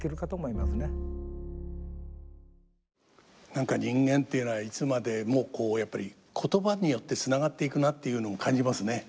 何か人間というのはいつまでもこうやっぱり言葉によってつながっていくなっていうのを感じますね。